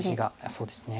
そうですね。